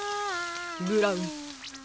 ブラウン。